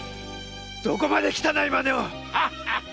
どこまで汚い真似を！